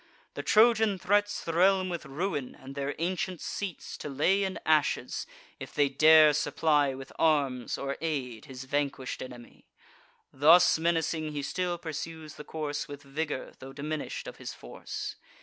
The Trojan threats The realm with ruin, and their ancient seats To lay in ashes, if they dare supply With arms or aid his vanquish'd enemy: Thus menacing, he still pursues the course, With vigour, tho' diminish'd of his force.